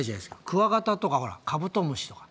クワガタとかほらカブトムシとか。